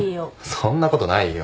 そんなことないよ。